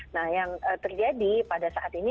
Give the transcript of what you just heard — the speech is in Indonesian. nah yang terjadi pada saat ini